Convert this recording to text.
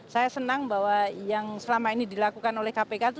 saya senang bahwa yang selama ini dilakukan oleh kpk itu